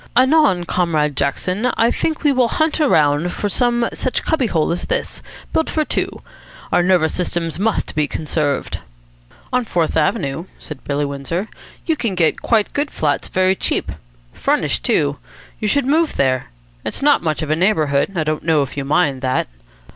Anon, Comrade Jackson, I think we will hunt around for some such cubby hole as this, built for two. Our nervous systems must be conserved." "On Fourth Avenue," said Billy Windsor, "you can get quite good flats very cheap. Furnished, too. You should move there. It's not much of a neighbourhood. I don't know if you mind that?"